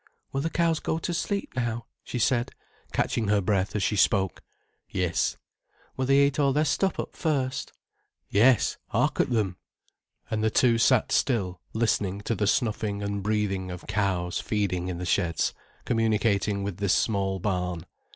"Will the cows go to sleep now?" she said, catching her breath as she spoke. "Yes." "Will they eat all their stuff up first?" "Yes. Hark at them." And the two sat still listening to the snuffing and breathing of cows feeding in the sheds communicating with this small barn.